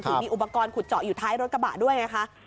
มีอุปกรณ์ขุดเจาะอยู่ท้ายรถกระบะด้วยนะคะ